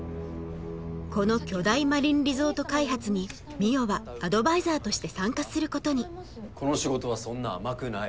この巨大マリンリゾート開発に海音はアドバイザーとして参加することにこの仕事はそんな甘くない。